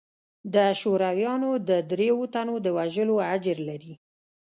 د شورويانو د درېو تنو د وژلو اجر لري.